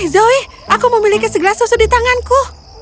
zoy aku memiliki segelas susu di tanganku